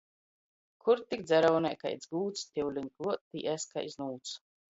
Kur tik dzeraunē kaids gūds, tiuleņ kluot tī es kai znūts.